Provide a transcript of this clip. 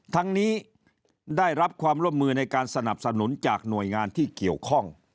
ทั้งนี้ได้รับความร่วมมือในการสนับสนุนจากหน่วยงานที่เกี่ยวข้อง